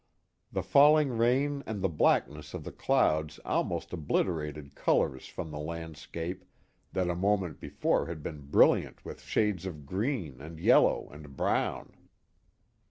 Tlie falling rain and the blackness of llie i clouds almost obliterated colors from the landscape thai A moment before had been brilliant with shades of green and || yellow and brown.